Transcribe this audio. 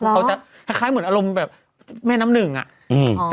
เป็นการกระตุ้นการไหลเวียนของเลือด